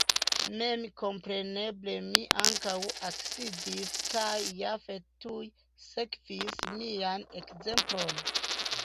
Memkompreneble mi ankaŭ eksidis kaj Jafet tuj sekvis mian ekzemplon.